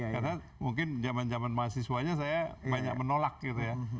karena mungkin zaman zaman mahasiswanya saya banyak menolak gitu ya